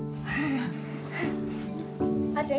・あーちゃん